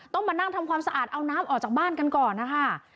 ต้องมานั่งทำความสะอาดเอาน้ำออกจากบ้านกันก่อนนะคะ